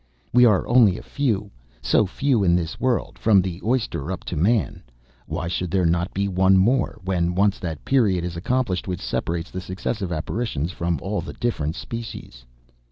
We are only a few, so few in this world, from the oyster up to man. Why should there not be one more, when once that period is accomplished which separates the successive apparitions from all the different species?